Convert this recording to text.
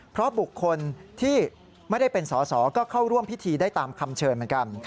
เพราะบุคคลที่ไม่ได้เป็นสอสอก็เข้าร่วมพิธีได้ตามคำเชิญเหมือนกัน